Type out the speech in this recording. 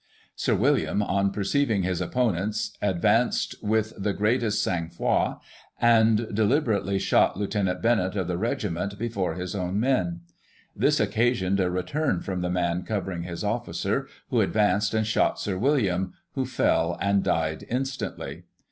'* Sir William, on perceiving his opponents, advanced with the greatest sang froid, and dehberately shot Lieutenant Bennett of the regiment, before his own men. This occa sioned a return from the man covering his officer, who advanced, and shot Sir William, who fell, and died instantly.